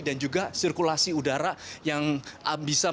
dan juga sirkulasi udara yang bisa menyebabkan penyakit